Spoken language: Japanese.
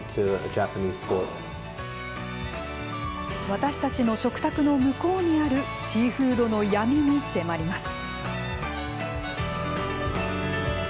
私たちの食卓の向こうにあるシーフードの闇に迫ります。